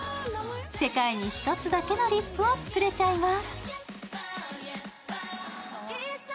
世界に一つだけのリップを作れちゃいます。